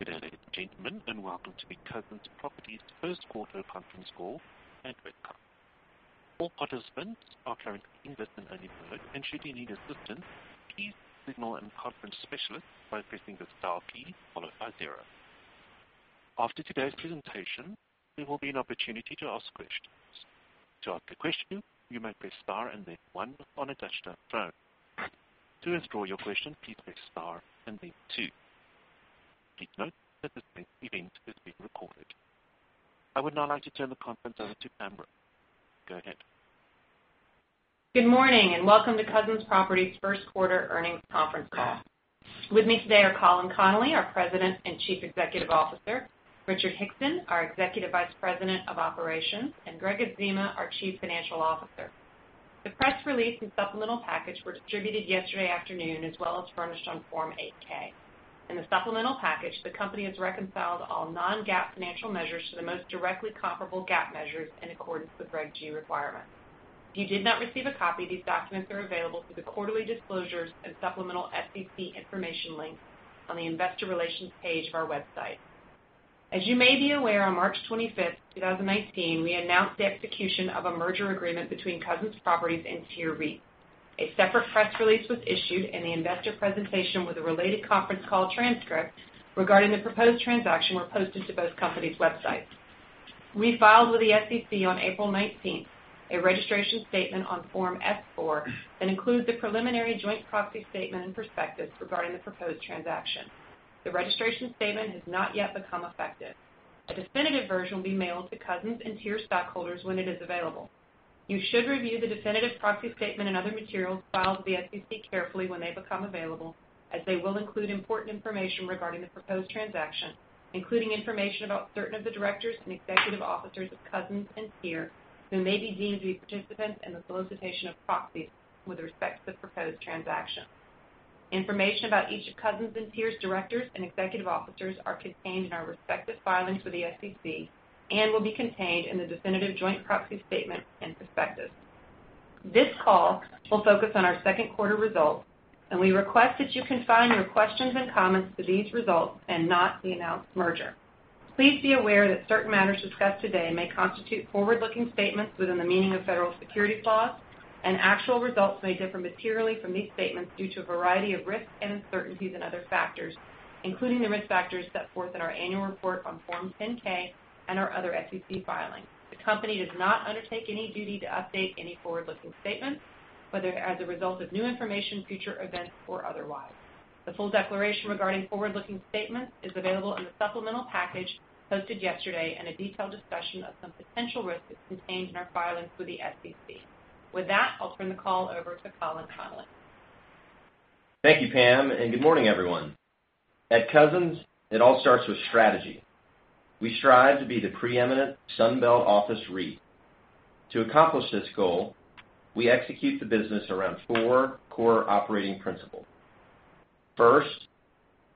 Good day, ladies and gentlemen, and welcome to the Cousins Properties first quarter conference call and webcast. All participants are currently in listen-only mode. Should you need assistance, please signal an conference specialist by pressing the star key, followed by zero. After today's presentation, there will be an opportunity to ask questions. To ask a question, you may press star and then one on a touch-tone phone. To withdraw your question, please press star and then two. Please note that this event is being recorded. I would now like to turn the conference over to Pamela Roper. Go ahead. Good morning, welcome to Cousins Properties first quarter earnings conference call. With me today are Colin Connolly, our President and Chief Executive Officer, Richard Hickson, our Executive Vice President of Operations, and Gregg Adzema, our Chief Financial Officer. The press release and supplemental package were distributed yesterday afternoon, as well as furnished on Form 8-K. In the supplemental package, the company has reconciled all non-GAAP financial measures to the most directly comparable GAAP measures in accordance with Reg G requirements. If you did not receive a copy, these documents are available through the Quarterly Disclosures and Supplemental SEC Information link on the Investor Relations page of our website. As you may be aware, on March 25th, 2019, we announced the execution of a merger agreement between Cousins Properties and TIER REIT. A separate press release was issued, the investor presentation with a related conference call transcript regarding the proposed transaction were posted to both companies' websites. We filed with the SEC on April 19th, a registration statement on Form S-4 that includes the preliminary joint proxy statement and prospectus regarding the proposed transaction. The registration statement has not yet become effective. A definitive version will be mailed to Cousins and TIER stockholders when it is available. You should review the definitive proxy statement and other materials filed with the SEC carefully when they become available, as they will include important information regarding the proposed transaction, including information about certain of the directors and executive officers of Cousins and TIER who may be deemed to be participants in the solicitation of proxies with respect to the proposed transaction. Information about each of Cousins and TIER's directors and executive officers are contained in our respective filings with the SEC and will be contained in the definitive joint proxy statement and prospectus. This call will focus on our second quarter results, we request that you confine your questions and comments to these results and not the announced merger. Please be aware that certain matters discussed today may constitute forward-looking statements within the meaning of federal securities laws, actual results may differ materially from these statements due to a variety of risks and uncertainties and other factors, including the risk factors set forth in our annual report on Form 10-K and our other SEC filings. The company does not undertake any duty to update any forward-looking statements, whether as a result of new information, future events, or otherwise. The full declaration regarding forward-looking statements is available in the supplemental package posted yesterday and a detailed discussion of some potential risks is contained in our filings with the SEC. With that, I'll turn the call over to Colin Connolly. Thank you, Pam, and good morning, everyone. At Cousins, it all starts with strategy. We strive to be the preeminent Sunbelt office REIT. To accomplish this goal, we execute the business around four core operating principles. First,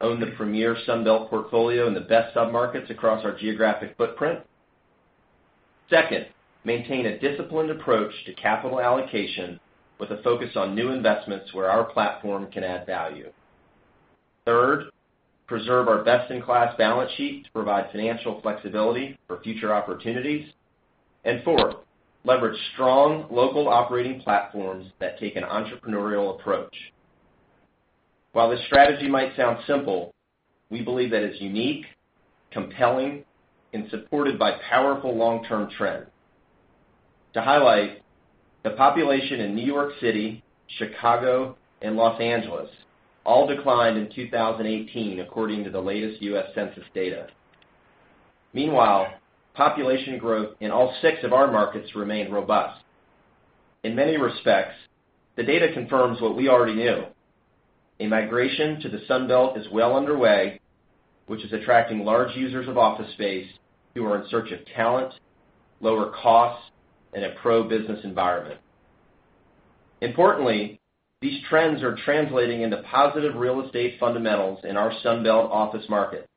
own the premier Sunbelt portfolio in the best submarkets across our geographic footprint. Second, maintain a disciplined approach to capital allocation with a focus on new investments where our platform can add value. Third, preserve our best-in-class balance sheet to provide financial flexibility for future opportunities. Fourth, leverage strong local operating platforms that take an entrepreneurial approach. While this strategy might sound simple, we believe that it's unique, compelling, and supported by powerful long-term trends. To highlight, the population in New York City, Chicago, and Los Angeles all declined in 2018 according to the latest U.S. Census data. Meanwhile, population growth in all six of our markets remained robust. In many respects, the data confirms what we already knew. A migration to the Sunbelt is well underway, which is attracting large users of office space who are in search of talent, lower costs, and a pro-business environment. Importantly, these trends are translating into positive real estate fundamentals in our Sunbelt office market.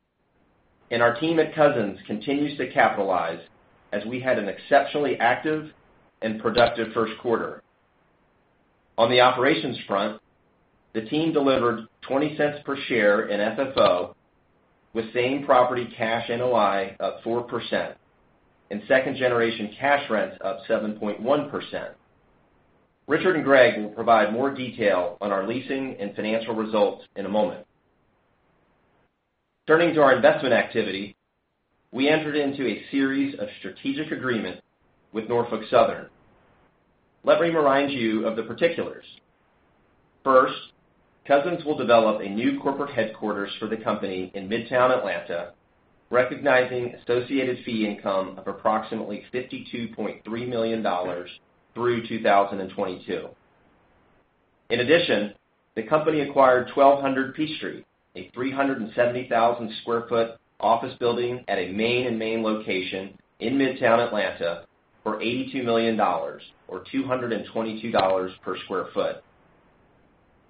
Our team at Cousins continues to capitalize as we had an exceptionally active and productive first quarter. On the operations front, the team delivered $0.20 per share in FFO with same property cash NOI up 4% and second-generation cash rents up 7.1%. Richard and Gregg will provide more detail on our leasing and financial results in a moment. Turning to our investment activity, we entered into a series of strategic agreements with Norfolk Southern. Let me remind you of the particulars. First, Cousins will develop a new corporate headquarters for the company in Midtown Atlanta, recognizing associated fee income of approximately $52.3 million through 2022. In addition, the company acquired 1200 Peachtree, a 370,000 sq ft office building at a main and main location in Midtown Atlanta for $82 million or $222 per sq ft.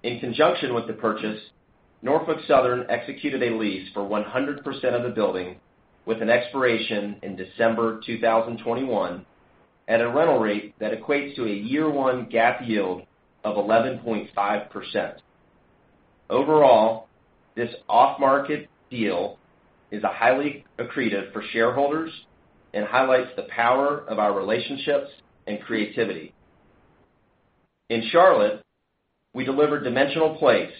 In conjunction with the purchase, Norfolk Southern executed a lease for 100% of the building with an expiration in December 2021. At a rental rate that equates to a year one GAAP yield of 11.5%. Overall, this off-market deal is highly accretive for shareholders and highlights the power of our relationships and creativity. In Charlotte, we delivered Dimensional Place,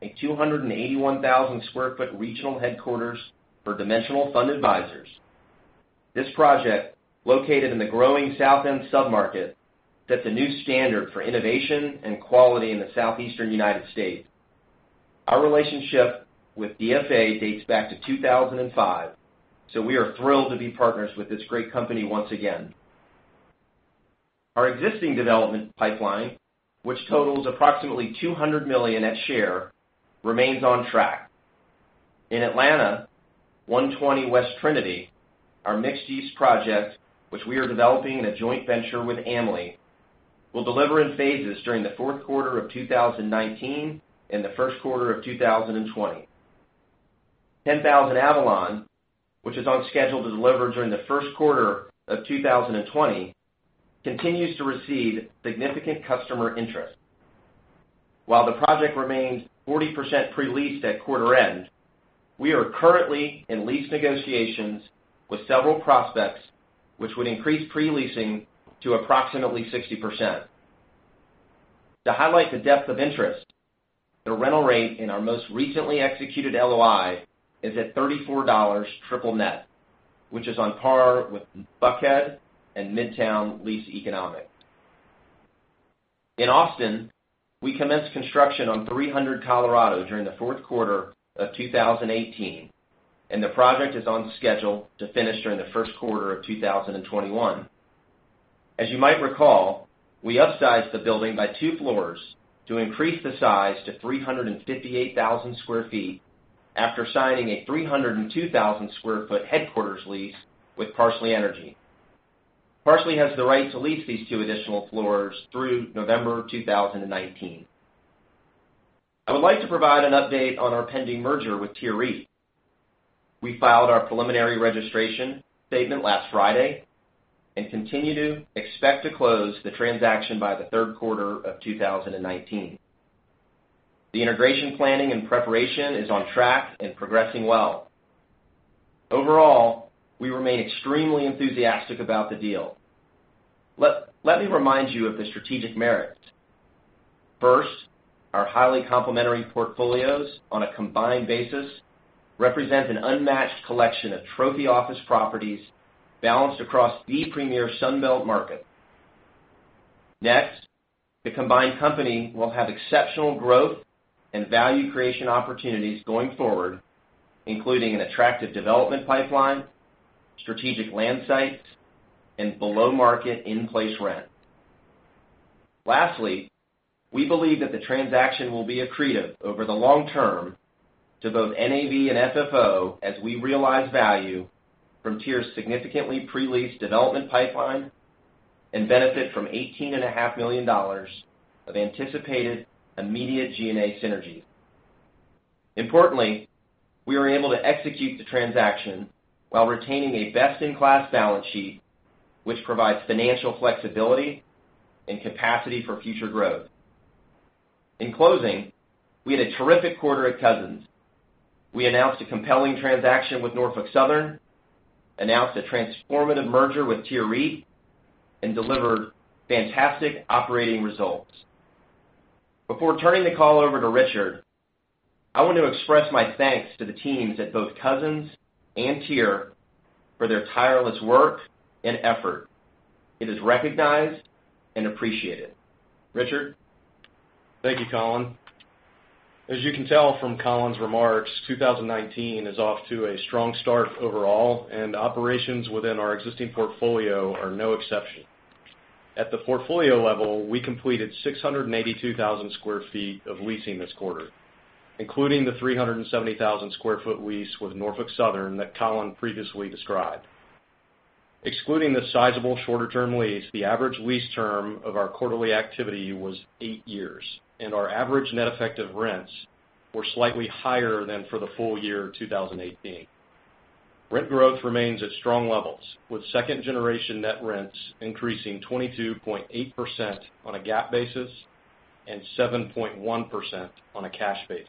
a 281,000 sq ft regional headquarters for Dimensional Fund Advisors. This project, located in the growing South End sub-market, sets a new standard for innovation and quality in the Southeastern U.S. Our relationship with DFA dates back to 2005. We are thrilled to be partners with this great company once again. Our existing development pipeline, which totals approximately $200 million at share, remains on track. In Atlanta, 120 West Trinity, our mixed-use project, which we are developing in a joint venture with AMLI Residential, will deliver in phases during the fourth quarter of 2019 and the first quarter of 2020. 10,000 Avalon, which is on schedule to deliver during the first quarter of 2020, continues to receive significant customer interest. While the project remains 40% pre-leased at quarter end, we are currently in lease negotiations with several prospects, which would increase pre-leasing to approximately 60%. To highlight the depth of interest, the rental rate in our most recently executed LOI is at $34 triple net, which is on par with Buckhead and Midtown lease economics. In Austin, we commenced construction on 300 Colorado during the fourth quarter of 2018. The project is on schedule to finish during the first quarter of 2021. As you might recall, we upsized the building by two floors to increase the size to 358,000 sq ft after signing a 302,000 sq ft headquarters lease with Parsley Energy. Parsley has the right to lease these two additional floors through November 2019. I would like to provide an update on our pending merger with TIER REIT. We filed our preliminary registration statement last Friday and continue to expect to close the transaction by the third quarter of 2019. The integration planning and preparation is on track and progressing well. We remain extremely enthusiastic about the deal. Let me remind you of the strategic merits. Our highly complementary portfolios on a combined basis represent an unmatched collection of trophy office properties balanced across the premier Sun Belt market. The combined company will have exceptional growth and value creation opportunities going forward, including an attractive development pipeline, strategic land sites, and below-market in-place rent. We believe that the transaction will be accretive over the long term to both NAV and FFO as we realize value from TIER's significantly pre-leased development pipeline and benefit from $18.5 million of anticipated immediate G&A synergies. We were able to execute the transaction while retaining a best-in-class balance sheet, which provides financial flexibility and capacity for future growth. We had a terrific quarter at Cousins. We announced a compelling transaction with Norfolk Southern, announced a transformative merger with TIER REIT, and delivered fantastic operating results. Before turning the call over to Richard, I want to express my thanks to the teams at both Cousins and TIER for their tireless work and effort. It is recognized and appreciated. Richard? Thank you, Colin. As you can tell from Colin's remarks, 2019 is off to a strong start overall, and operations within our existing portfolio are no exception. At the portfolio level, we completed 682,000 sq ft of leasing this quarter, including the 370,000 sq ft lease with Norfolk Southern that Colin previously described. Excluding the sizable shorter-term lease, the average lease term of our quarterly activity was eight years, and our average net effective rents were slightly higher than for the full year 2018. Rent growth remains at strong levels, with second-generation net rents increasing 22.8% on a GAAP basis and 7.1% on a cash basis.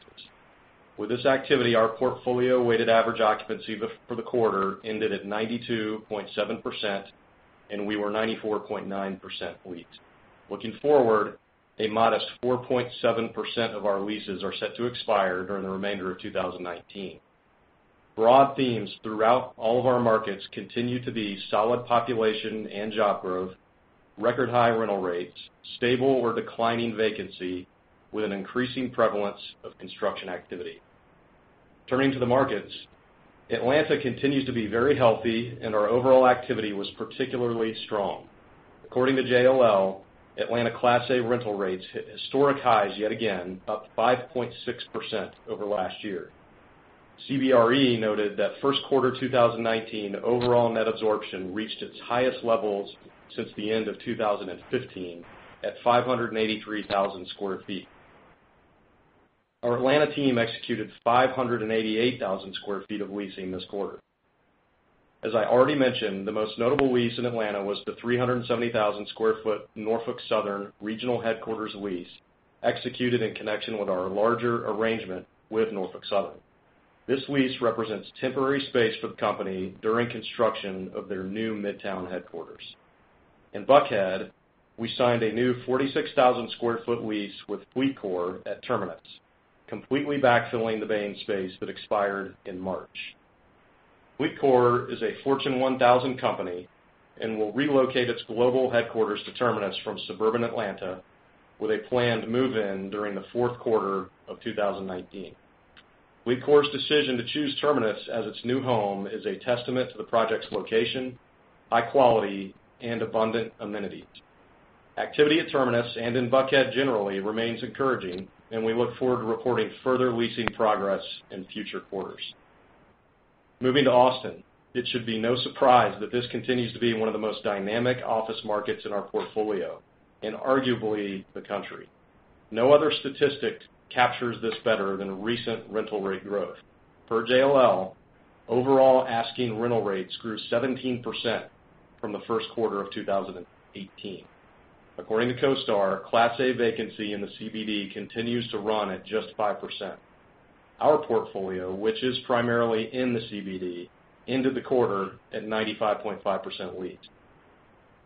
With this activity, our portfolio weighted average occupancy for the quarter ended at 92.7%, and we were 94.9% leased. Looking forward, a modest 4.7% of our leases are set to expire during the remainder of 2019. Broad themes throughout all of our markets continue to be solid population and job growth, record high rental rates, stable or declining vacancy, with an increasing prevalence of construction activity. Turning to the markets, Atlanta continues to be very healthy, and our overall activity was particularly strong. According to JLL, Atlanta Class A rental rates hit historic highs yet again, up 5.6% over last year. CBRE noted that first quarter 2019 overall net absorption reached its highest levels since the end of 2015 at 583,000 sq ft. Our Atlanta team executed 588,000 sq ft of leasing this quarter. As I already mentioned, the most notable lease in Atlanta was the 370,000 sq ft Norfolk Southern regional headquarters lease executed in connection with our larger arrangement with Norfolk Southern. This lease represents temporary space for the company during construction of their new Midtown headquarters. In Buckhead, we signed a new 46,000 sq ft lease with FleetCor at Terminus, completely backfilling the vacant space that expired in March. FleetCor is a Fortune 1000 company and will relocate its global headquarters to Terminus from suburban Atlanta with a planned move-in during the fourth quarter of 2019. FleetCor's decision to choose Terminus as its new home is a testament to the project's location, high quality, and abundant amenities. Activity at Terminus and in Buckhead generally remains encouraging. We look forward to reporting further leasing progress in future quarters. Moving to Austin, it should be no surprise that this continues to be one of the most dynamic office markets in our portfolio and arguably the country. No other statistic captures this better than recent rental rate growth. Per JLL, overall asking rental rates grew 17% from the first quarter of 2018. According to CoStar, Class A vacancy in the CBD continues to run at just 5%. Our portfolio, which is primarily in the CBD, ended the quarter at 95.5% leased.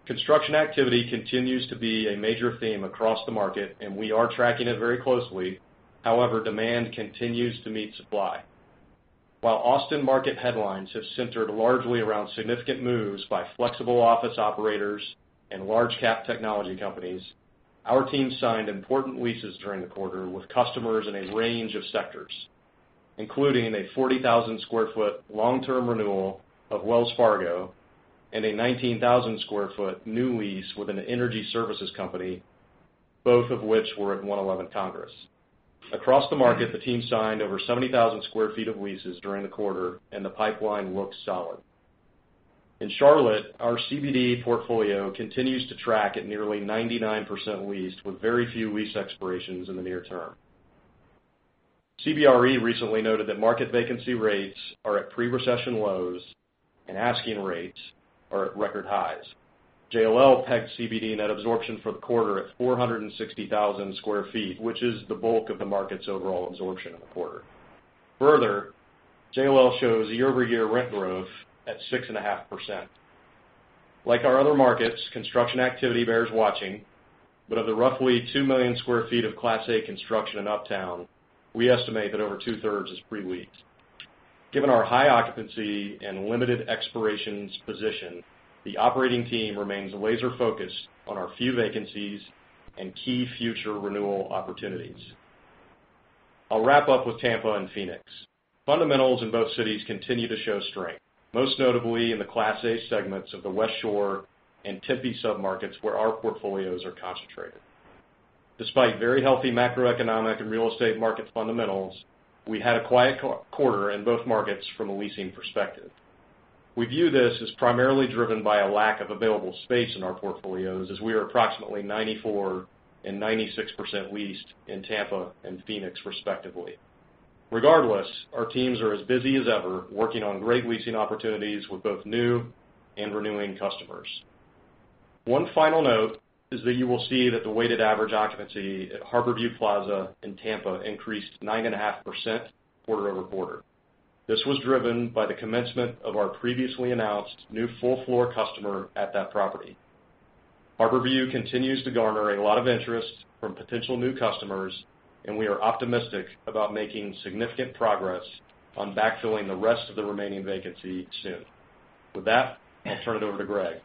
Construction activity continues to be a major theme across the market. We are tracking it very closely. However, demand continues to meet supply. While Austin market headlines have centered largely around significant moves by flexible office operators and large cap technology companies, our team signed important leases during the quarter with customers in a range of sectors, including a 40,000 sq ft long-term renewal of Wells Fargo and a 19,000 sq ft new lease with an energy services company, both of which were at 111 Congress. Across the market, the team signed over 70,000 sq ft of leases during the quarter. The pipeline looks solid. In Charlotte, our CBD portfolio continues to track at nearly 99% leased with very few lease expirations in the near term. CBRE recently noted that market vacancy rates are at pre-recession lows and asking rates are at record highs. JLL pegged CBD net absorption for the quarter at 460,000 square feet, which is the bulk of the market's overall absorption in the quarter. Further, JLL shows year-over-year rent growth at 6.5%. Like our other markets, construction activity bears watching, but of the roughly 2 million square feet of Class A construction in Uptown, we estimate that over two-thirds is pre-leased. Given our high occupancy and limited expirations position, the operating team remains laser-focused on our few vacancies and key future renewal opportunities. I'll wrap up with Tampa and Phoenix. Fundamentals in both cities continue to show strength, most notably in the Class A segments of the Westshore and Tempe submarkets where our portfolios are concentrated. Despite very healthy macroeconomic and real estate market fundamentals, we had a quiet quarter in both markets from a leasing perspective. We view this as primarily driven by a lack of available space in our portfolios, as we are approximately 94% and 96% leased in Tampa and Phoenix respectively. Regardless, our teams are as busy as ever working on great leasing opportunities with both new and renewing customers. One final note is that you will see that the weighted average occupancy at Harborview Plaza in Tampa increased 9.5% quarter-over-quarter. This was driven by the commencement of our previously announced new full-floor customer at that property. Harborview continues to garner a lot of interest from potential new customers. We are optimistic about making significant progress on backfilling the rest of the remaining vacancy soon. With that, I'll turn it over to Gregg.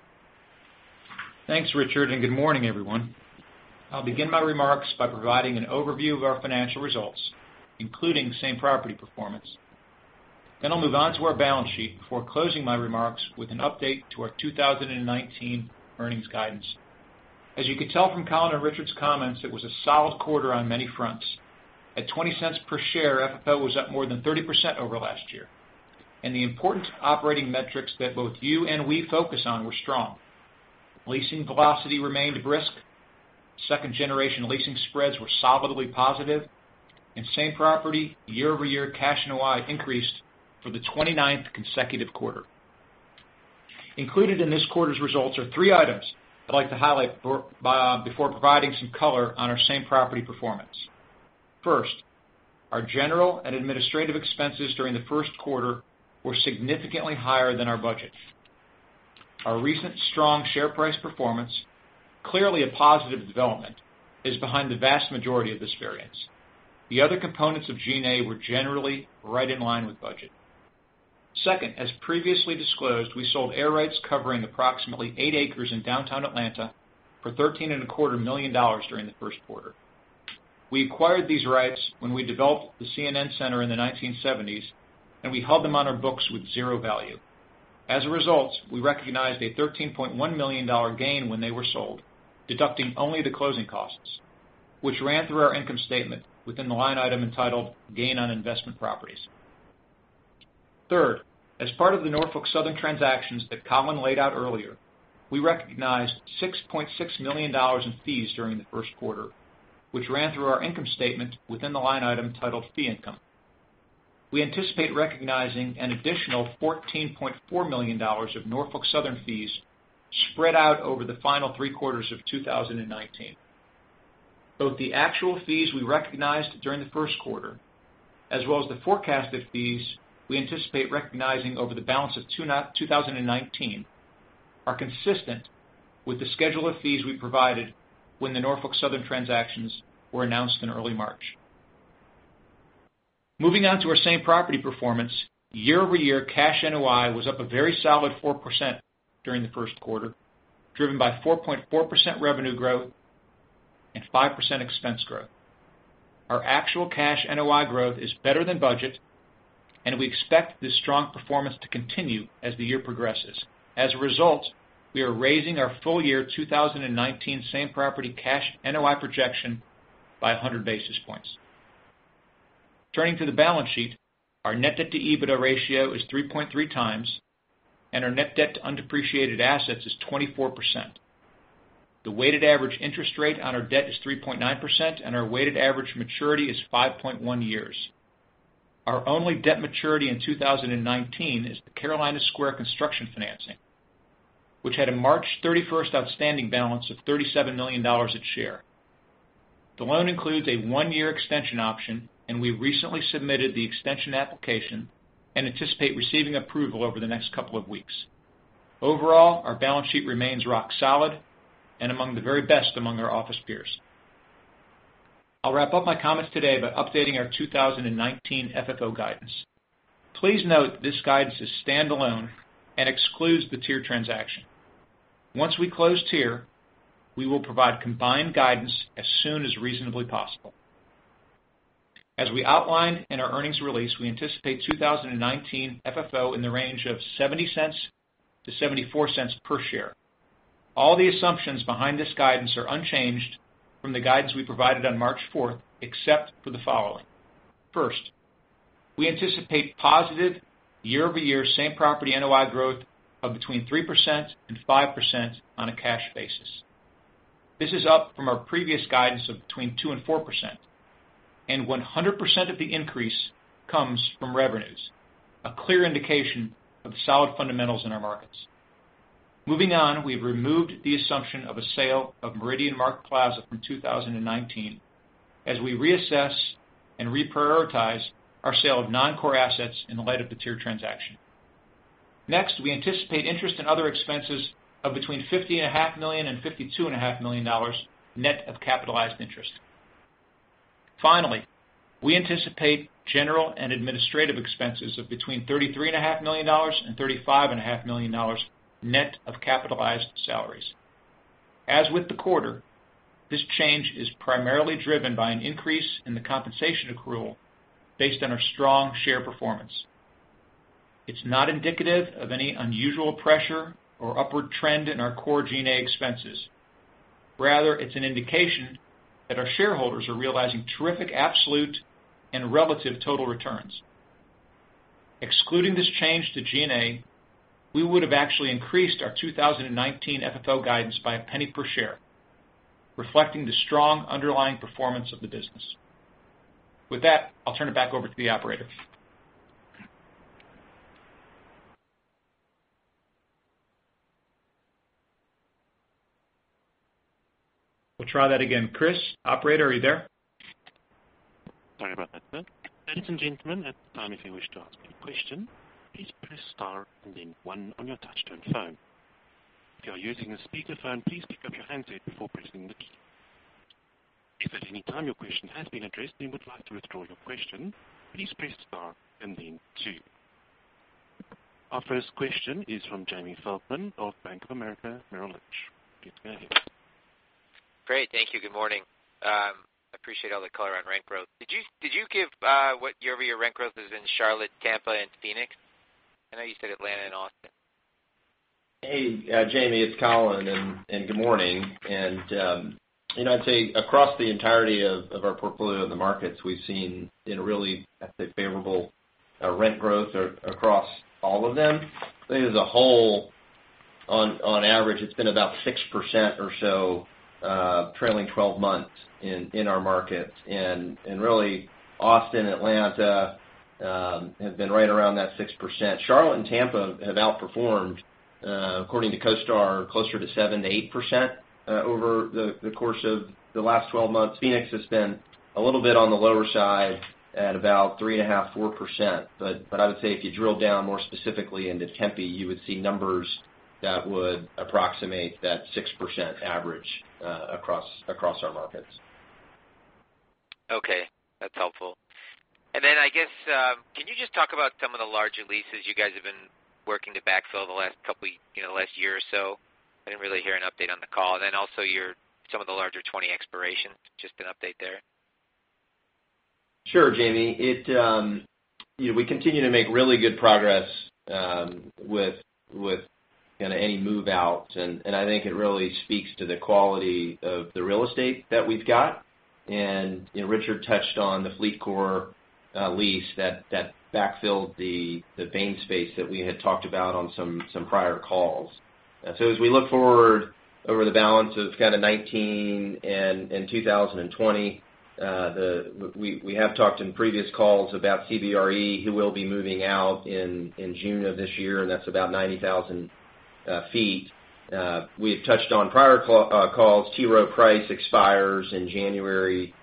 Thanks, Richard. Good morning, everyone. I'll begin my remarks by providing an overview of our financial results, including same property performance. I'll move on to our balance sheet before closing my remarks with an update to our 2019 earnings guidance. As you could tell from Colin and Richard's comments, it was a solid quarter on many fronts. At $0.20 per share, FFO was up more than 30% over last year. The important operating metrics that both you and we focus on were strong. Leasing velocity remained brisk. Second-generation leasing spreads were solidly positive. Same property year-over-year cash NOI increased for the 29th consecutive quarter. Included in this quarter's results are three items I'd like to highlight before providing some color on our same property performance. First, our general and administrative expenses during the first quarter were significantly higher than our budget. Our recent strong share price performance, clearly a positive development, is behind the vast majority of this variance. The other components of G&A were generally right in line with budget. Second, as previously disclosed, we sold air rights covering approximately eight acres in Downtown Atlanta for $13.25 million during the first quarter. We acquired these rights when we developed the CNN Center in the 1970s, and we held them on our books with zero value. As a result, we recognized a $13.1 million gain when they were sold, deducting only the closing costs, which ran through our income statement within the line item entitled Gain on Investment Properties. Third, as part of the Norfolk Southern transactions that Colin laid out earlier, we recognized $6.6 million in fees during the first quarter, which ran through our income statement within the line item titled Fee Income. We anticipate recognizing an additional $14.4 million of Norfolk Southern fees spread out over the final three quarters of 2019. Both the actual fees we recognized during the first quarter, as well as the forecasted fees we anticipate recognizing over the balance of 2019, are consistent with the schedule of fees we provided when the Norfolk Southern transactions were announced in early March. Moving on to our same-property performance, year-over-year cash NOI was up a very solid 4% during the first quarter, driven by 4.4% revenue growth and 5% expense growth. Our actual cash NOI growth is better than budget, and we expect this strong performance to continue as the year progresses. As a result, we are raising our full-year 2019 same-property cash NOI projection by 100 basis points. Turning to the balance sheet, our net debt-to-EBITDA ratio is 3.3 times, and our net debt-to-undepreciated assets is 24%. The weighted average interest rate on our debt is 3.9%, and our weighted average maturity is 5.1 years. Our only debt maturity in 2019 is the Carolina Square construction financing, which had a March 31st outstanding balance of $37 million its share. The loan includes a one-year extension option, and we recently submitted the extension application and anticipate receiving approval over the next couple of weeks. Overall, our balance sheet remains rock solid and among the very best among our office peers. I'll wrap up my comments today by updating our 2019 FFO guidance. Please note this guidance is standalone and excludes the TIER transaction. Once we close TIER, we will provide combined guidance as soon as reasonably possible. As we outlined in our earnings release, we anticipate 2019 FFO in the range of $0.70 to $0.74 per share. All the assumptions behind this guidance are unchanged from the guidance we provided on March 4th, except for the following. First, we anticipate positive year-over-year same-property NOI growth of between 3% and 5% on a cash basis. This is up from our previous guidance of between 2% and 4%, and 100% of the increase comes from revenues, a clear indication of the solid fundamentals in our markets. Moving on, we've removed the assumption of a sale of Meridian Mark Plaza from 2019, as we reassess and reprioritize our sale of non-core assets in light of the TIER transaction. Next, we anticipate interest and other expenses of between $50.5 million and $52.5 million, net of capitalized interest. Finally, we anticipate general and administrative expenses of between $33.5 million and $35.5 million, net of capitalized salaries. As with the quarter, this change is primarily driven by an increase in the compensation accrual based on our strong share performance. It's not indicative of any unusual pressure or upward trend in our core G&A expenses. Rather, it's an indication that our shareholders are realizing terrific absolute and relative total returns. Excluding this change to G&A, we would have actually increased our 2019 FFO guidance by a penny per share, reflecting the strong underlying performance of the business. With that, I'll turn it back over to the operator. We'll try that again. Chris, operator, are you there? Sorry about that, sir. Ladies and gentlemen, at this time, if you wish to ask any question, please press star and then one on your touch-tone phone. If you are using a speakerphone, please pick up your handset before pressing the key. If at any time your question has been addressed and you would like to withdraw your question, please press star and then two. Our first question is from Jamie Feldman of Bank of America Merrill Lynch. You can go ahead. Great. Thank you. Good morning. I appreciate all the color on rent growth. Did you give what year-over-year rent growth is in Charlotte, Tampa, and Phoenix? I know you said Atlanta and Austin. Hey, Jamie, it's Colin, and good morning. I'd say across the entirety of our portfolio in the markets, we've seen in really, I'd say, favorable rent growth across all of them. I think as a whole, on average, it's been about 6% or so trailing 12 months in our markets. Really, Austin, Atlanta have been right around that 6%. Charlotte and Tampa have outperformed, according to CoStar, closer to 7%-8% over the course of the last 12 months. Phoenix has been a little bit on the lower side at about 3.5%, 4%. I would say if you drill down more specifically into Tempe, you would see numbers that would approximate that 6% average across our markets. Okay. That's helpful. I guess, can you just talk about some of the larger leases you guys have been working to backfill the last year or so? I didn't really hear an update on the call. Also some of the larger 2020 expirations, just an update there. Sure, Jamie. We continue to make really good progress With any move-outs. I think it really speaks to the quality of the real estate that we've got. Richard touched on the FleetCor lease that backfilled the Bain space that we had talked about on some prior calls. As we look forward over the balance of kind of 2019 and 2020, we have talked in previous calls about CBRE, who will be moving out in June of this year, and that's about 90,000 sq ft. We've touched on prior calls, T. Rowe Price expires in January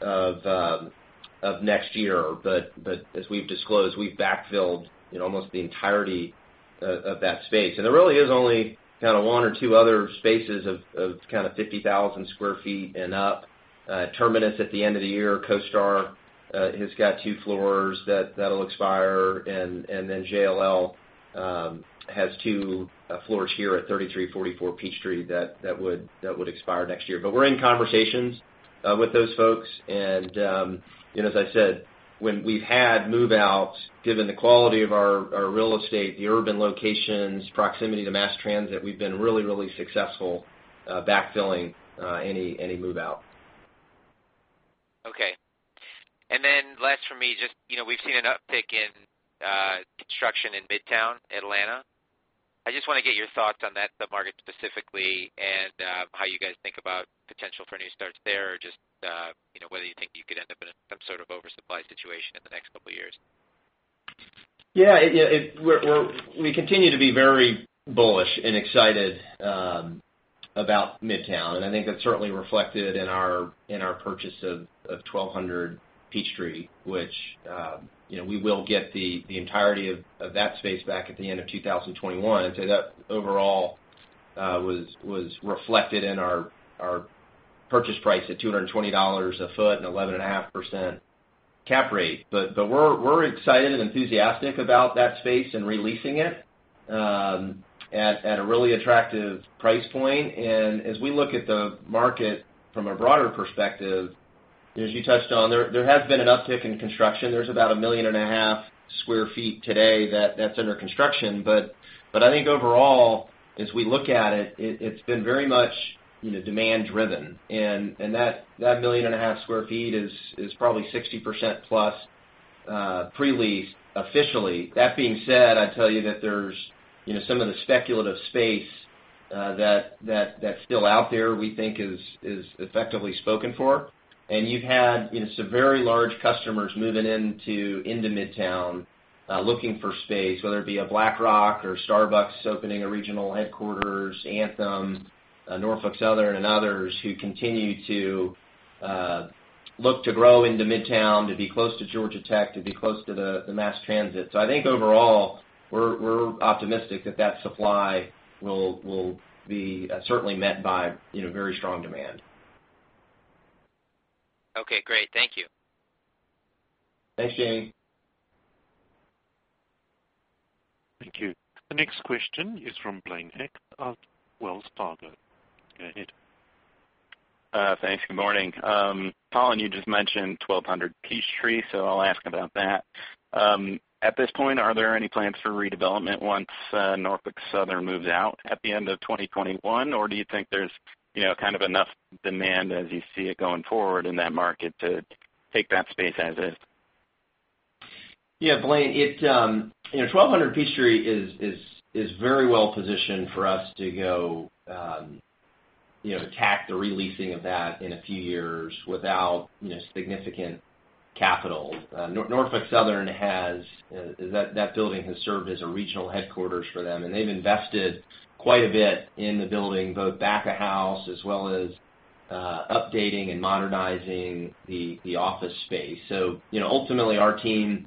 of next year. As we've disclosed, we've backfilled almost the entirety of that space. There really is only kind of one or two other spaces of kind of 50,000 sq ft and up. Terminus at the end of the year, CoStar, has got two floors that will expire. JLL has two floors here at 3344 Peachtree that would expire next year. We're in conversations with those folks. As I said, when we've had move-outs, given the quality of our real estate, the urban locations, proximity to mass transit, we've been really successful backfilling any move-out. Okay. Last for me, just we've seen an uptick in construction in Midtown Atlanta. I just want to get your thoughts on that sub-market specifically, and how you guys think about potential for new starts there, or just whether you think you could end up in some sort of oversupply situation in the next couple of years. Yeah. We continue to be very bullish and excited about Midtown. I think that's certainly reflected in our purchase of 1200 Peachtree, which we will get the entirety of that space back at the end of 2021. I'd say that overall, was reflected in our purchase price at $220 a foot and 11.5% cap rate. We're excited and enthusiastic about that space and re-leasing it at a really attractive price point. As we look at the market from a broader perspective, as you touched on, there has been an uptick in construction. There's about 1.5 million square feet today that's under construction. I think overall, as we look at it's been very much demand-driven. That 1.5 million square feet is probably 60%-plus pre-leased officially. That being said, I'd tell you that there's some of the speculative space that's still out there, we think is effectively spoken for. You've had some very large customers moving into Midtown, looking for space, whether it be a BlackRock or Starbucks opening a regional headquarters, Anthem, Norfolk Southern and others who continue to look to grow into Midtown, to be close to Georgia Tech, to be close to the mass transit. I think overall, we're optimistic that that supply will be certainly met by very strong demand. Okay, great. Thank you. Thanks, Jamie. Thank you. The next question is from Blaine Heck of Wells Fargo. Go ahead. Thanks. Good morning. Colin, you just mentioned 1200 Peachtree, so I'll ask about that. At this point, are there any plans for redevelopment once Norfolk Southern moves out at the end of 2021? Do you think there's kind of enough demand as you see it going forward in that market to take that space as is? Yeah, Blaine, 1200 Peachtree is very well positioned for us to go attack the re-leasing of that in a few years without significant capital. Norfolk Southern, that building has served as a regional headquarters for them, and they've invested quite a bit in the building, both back-of-house as well as updating and modernizing the office space. Ultimately our team,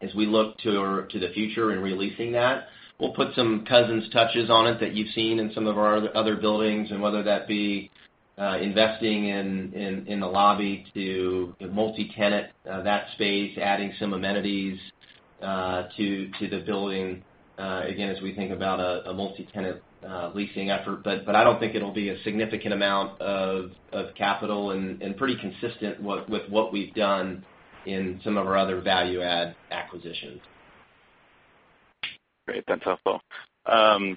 as we look to the future in re-leasing that, we'll put some Cousins touches on it that you've seen in some of our other buildings, whether that be investing in the lobby to multi-tenant that space, adding some amenities to the building, again, as we think about a multi-tenant leasing effort. I don't think it'll be a significant amount of capital, and pretty consistent with what we've done in some of our other value-add acquisitions. Great. That's helpful.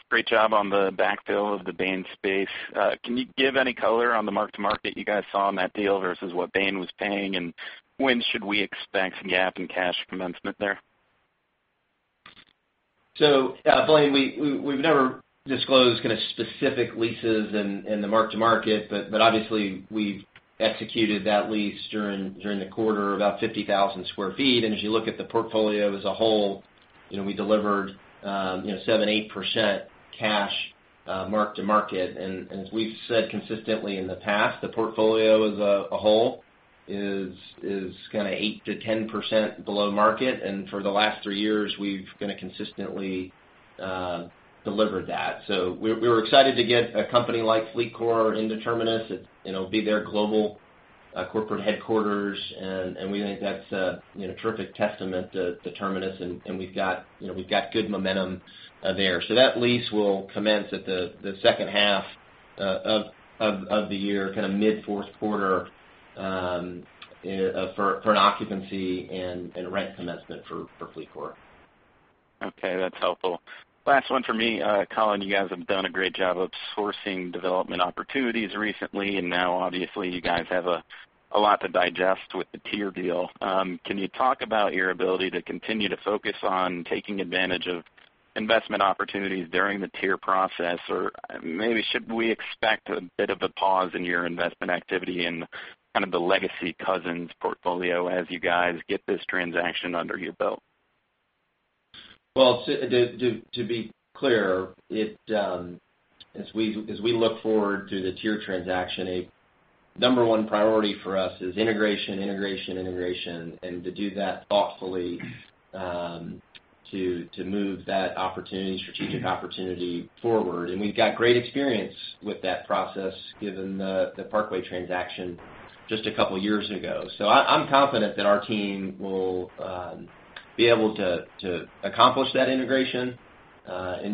Great job on the backfill of the Bain & Company space. Can you give any color on the mark-to-market you guys saw on that deal versus what Bain & Company was paying, and when should we expect some GAAP and cash commencement there? Blaine, we've never disclosed kind of specific leases and the mark-to-market, but obviously we've executed that lease during the quarter, about 50,000 sq ft. As you look at the portfolio as a whole, we delivered 7%-8% cash mark-to-market. As we've said consistently in the past, the portfolio as a whole is kind of 8%-10% below market. For the last three years, we've kind of consistently delivered that. We were excited to get a company like FleetCor into Terminus. It'll be their global corporate headquarters, we think that's a terrific testament to Terminus, we've got good momentum there. That lease will commence at the second half of the year, kind of mid-fourth quarter, for an occupancy and rent commencement for FleetCor. Okay. That's helpful. Last one for me, Colin, you guys have done a great job of sourcing development opportunities recently, now obviously you guys have a lot to digest with the TIER REIT deal. Can you talk about your ability to continue to focus on taking advantage of investment opportunities during the TIER REIT process? Maybe should we expect a bit of a pause in your investment activity in kind of the legacy Cousins Properties portfolio as you guys get this transaction under your belt? To be clear, as we look forward to the TIER REIT transaction, a number one priority for us is integration, integration, to do that thoughtfully, to move that strategic opportunity forward. We've got great experience with that process, given the Parkway Properties, Inc. transaction just a couple of years ago. I'm confident that our team will be able to accomplish that integration,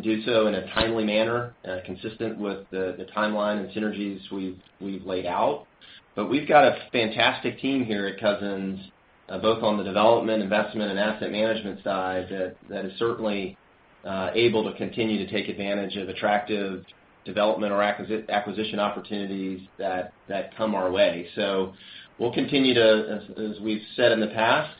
do so in a timely manner, consistent with the timeline and synergies we've laid out. We've got a fantastic team here at Cousins Properties, both on the development, investment, and asset management side that is certainly able to continue to take advantage of attractive development or acquisition opportunities that come our way. We'll continue to, as we've said in the past,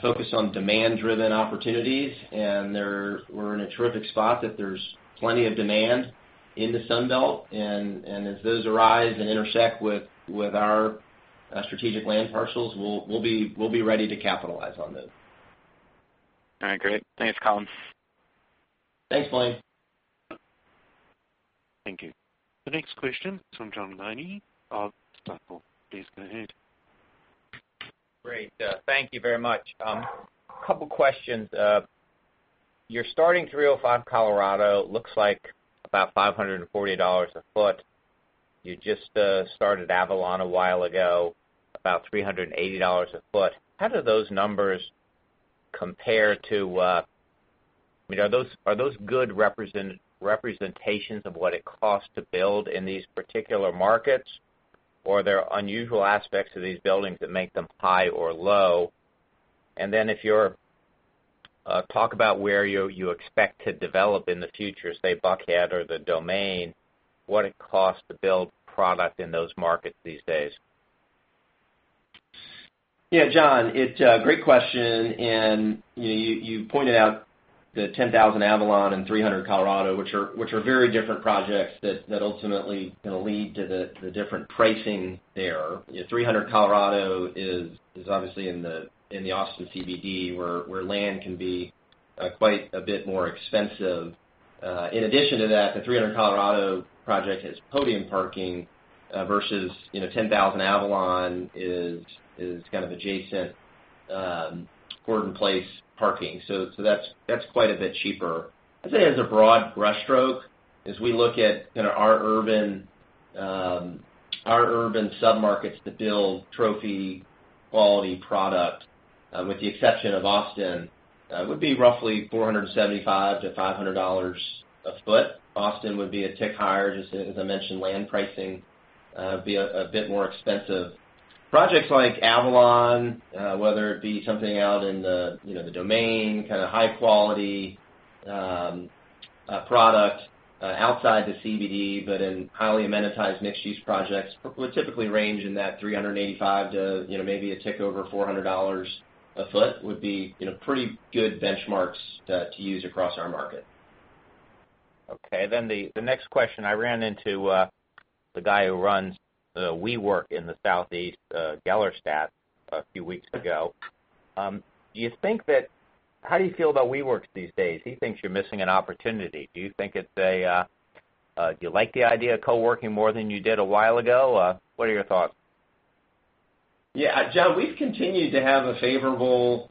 focus on demand-driven opportunities, and we're in a terrific spot that there's plenty of demand in the Sun Belt, and as those arise and intersect with our strategic land parcels, we'll be ready to capitalize on those. All right, great. Thanks, Colin. Thanks, Blaine. Thank you. The next question is from John Guinee of Stifel. Please go ahead. Great. Thank you very much. Couple questions. Your starting 300 Colorado looks like about $540 a foot. You just started Avalon a while ago, about $380 a foot. Are those good representations of what it costs to build in these particular markets, or are there unusual aspects to these buildings that make them high or low? Then, if you're Talk about where you expect to develop in the future, say Buckhead or The Domain, what it costs to build product in those markets these days. Yeah, John, it's a great question. You pointed out the 10,000 Avalon and 300 Colorado, which are very different projects that ultimately going to lead to the different pricing there. 300 Colorado is obviously in the Austin CBD, where land can be quite a bit more expensive. In addition to that, the 300 Colorado project has podium parking, versus 10,000 Avalon is kind of adjacent Gordon Place parking. That's quite a bit cheaper. I'd say as a broad brushstroke, as we look at kind of our urban sub-markets that build trophy-quality product, with the exception of Austin, would be roughly $475-$500 a foot. Austin would be a tick higher, just as I mentioned, land pricing, be a bit more expensive. Projects like Avalon, whether it be something out in The Domain, kind of high-quality product outside the CBD, but in highly amenitized mixed-use projects, would typically range in that $385 to maybe a tick over $400 a foot, would be pretty good benchmarks to use across our market. Okay, the next question, I ran into the guy who runs WeWork in the Southeast, Gellerstad, a few weeks ago. How do you feel about WeWorks these days? He thinks you're missing an opportunity. Do you like the idea of co-working more than you did a while ago? What are your thoughts? John, we've continued to have a favorable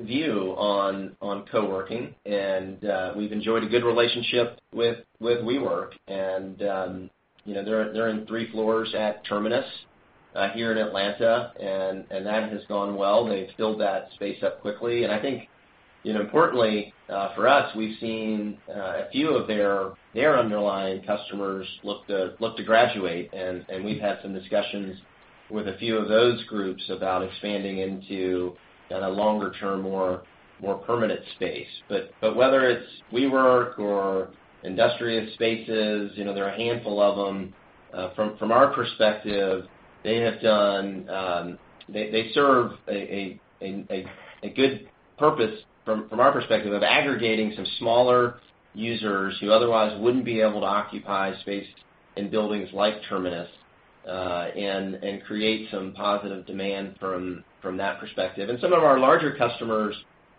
view on co-working, and we've enjoyed a good relationship with WeWork. They're in three floors at Terminus here in Atlanta, and that has gone well. They've filled that space up quickly, and I think importantly for us, we've seen a few of their underlying customers look to graduate, and we've had some discussions with a few of those groups about expanding into a longer-term, more permanent space. Whether it's WeWork or Industrious spaces, there are a handful of them. From our perspective, they serve a good purpose, from our perspective, of aggregating some smaller users who otherwise wouldn't be able to occupy space in buildings like Terminus, and create some positive demand from that perspective. Some of our larger customers,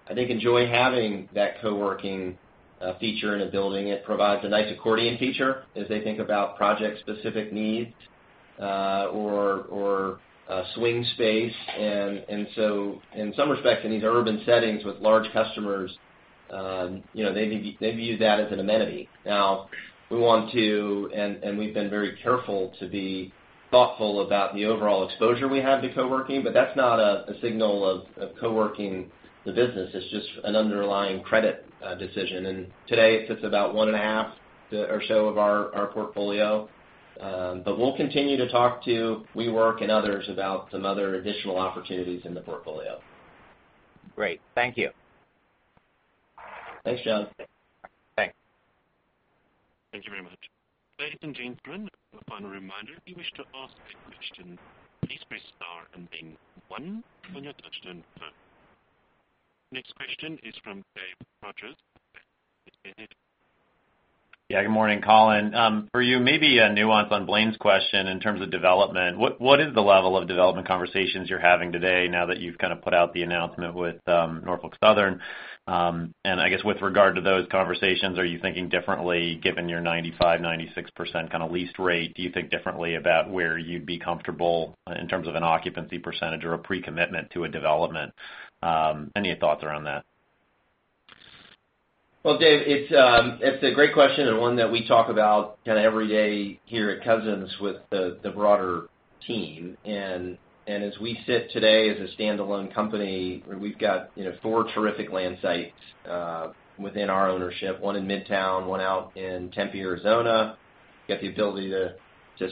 I think, enjoy having that co-working feature in a building. It provides a nice accordion feature as they think about project-specific needs, or swing space. In some respects, in these urban settings with large customers, they view that as an amenity. Now, we want to, and we've been very careful to be thoughtful about the overall exposure we have to co-working, but that's not a signal of co-working the business. It's just an underlying credit decision. Today, it's just about one and a half or so of our portfolio. We'll continue to talk to WeWork and others about some other additional opportunities in the portfolio. Great. Thank you. Thanks, John. Thanks. Thank you very much. Ladies and gentlemen, a final reminder, if you wish to ask a question, please press star and then one on your touch-tone phone. Next question is from Dave Rogers. Yeah. Good morning, Colin. For you, maybe a nuance on Blaine's question in terms of development. What is the level of development conversations you're having today now that you've kind of put out the announcement with Norfolk Southern? I guess, with regard to those conversations, are you thinking differently given your 95%, 96% kind of lease rate? Do you think differently about where you'd be comfortable in terms of an occupancy percentage or a pre-commitment to a development? Any thoughts around that? Well, Dave, it's a great question, and one that we talk about kind of every day here at Cousins with the broader team. As we sit today as a standalone company, we've got four terrific land sites within our ownership, one in Midtown, one out in Tempe, Arizona. We've got the ability to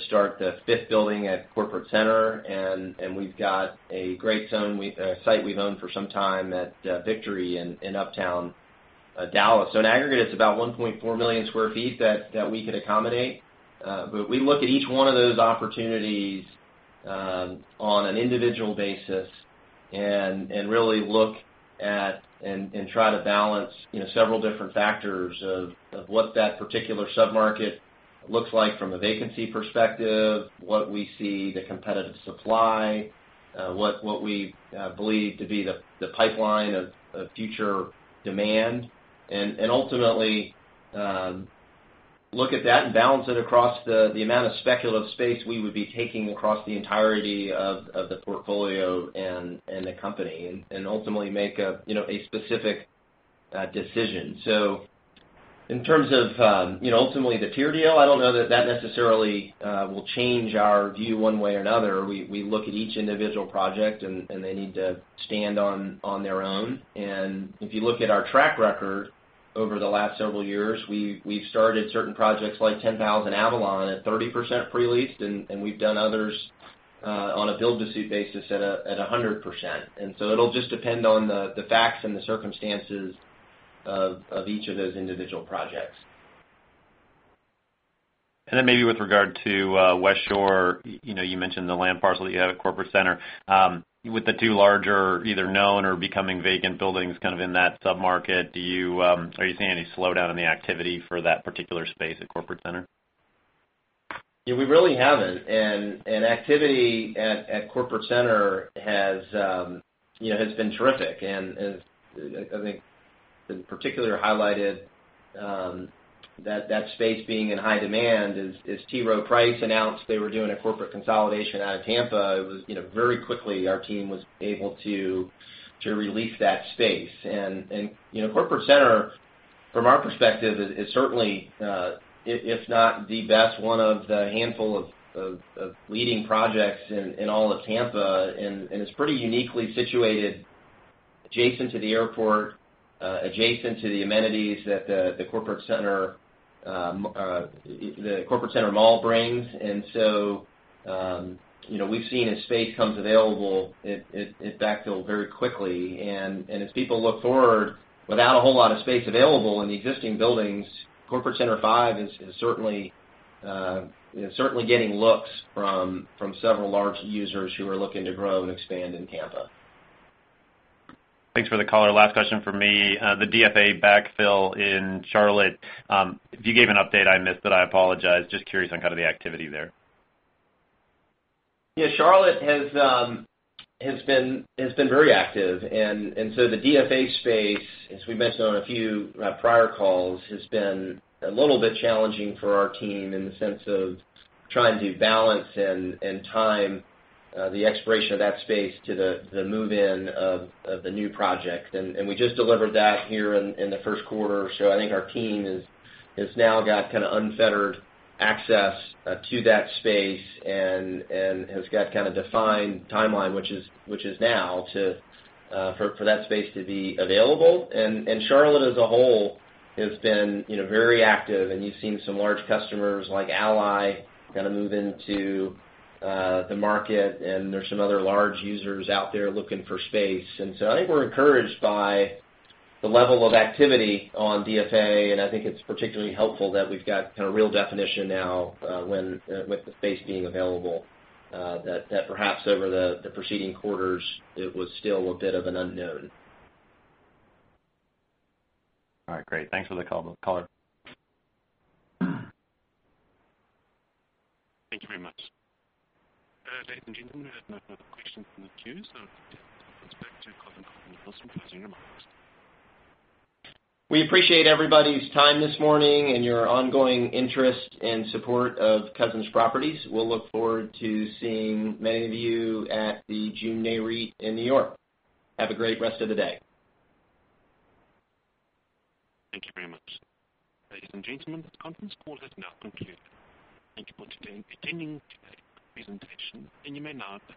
start the fifth building at Corporate Center, and we've got a great site we've owned for some time at Victory in Uptown Dallas. In aggregate, it's about 1.4 million sq ft that we could accommodate. But we look at each one of those opportunities on an individual basis and really look at and try to balance several different factors of what that particular submarket looks like from a vacancy perspective, what we see the competitive supply, what we believe to be the pipeline of future demand, and ultimately look at that and balance it across the amount of speculative space we would be taking across the entirety of the portfolio and the company, and ultimately make a specific decision. In terms of ultimately the TIER deal, I don't know that that necessarily will change our view one way or another. We look at each individual project, and they need to stand on their own. If you look at our track record over the last several years, we've started certain projects like Ten Thousand Avalon at 30% pre-leased, and we've done others on a build to suit basis at 100%. It'll just depend on the facts and the circumstances of each of those individual projects. Maybe with regard to Westshore, you mentioned the land parcel that you have at Corporate Center. With the two larger, either known or becoming vacant buildings kind of in that submarket, are you seeing any slowdown in the activity for that particular space at Corporate Center? We really haven't. Activity at Corporate Center has been terrific and I think particularly highlighted that space being in high demand is T. Rowe Price announced they were doing a corporate consolidation out of Tampa. It was very quickly our team was able to release that space. Corporate Center, from our perspective, is certainly if not the best, one of the handful of leading projects in all of Tampa, and it's pretty uniquely situated adjacent to the airport, adjacent to the amenities that the Corporate Center Mall brings. We've seen as space comes available, it backfill very quickly, and as people look forward without a whole lot of space available in the existing buildings, Corporate Center 5 is certainly getting looks from several large users who are looking to grow and expand in Tampa. Thanks for the color. Last question from me. The DFA backfill in Charlotte, if you gave an update I missed, then I apologize. Just curious on kind of the activity there. Yeah, Charlotte has been very active. The DFA space, as we mentioned on a few prior calls, has been a little bit challenging for our team in the sense of trying to balance and time the expiration of that space to the move-in of the new project. We just delivered that here in the first quarter or so. I think our team has now got kind of unfettered access to that space and has got kind of defined timeline, which is now, for that space to be available. Charlotte as a whole has been very active, and you've seen some large customers like Ally kind of move into the market, and there's some other large users out there looking for space. I think we're encouraged by the level of activity on DFA, and I think it's particularly helpful that we've got kind of real definition now with the space being available, that perhaps over the preceding quarters, it was still a bit of an unknown. All right, great. Thanks for the color. Thank you very much. Ladies and gentlemen, there are no further questions in the queue. I'll turn the conference back to Colin Connolly for some closing remarks. We appreciate everybody's time this morning and your ongoing interest and support of Cousins Properties. We'll look forward to seeing many of you at the June Nareit in New York. Have a great rest of the day. Thank you very much. Ladies and gentlemen, this conference call has now concluded. Thank you for attending today's presentation, and you may now disconnect.